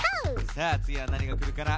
さあつぎはなにがくるかな？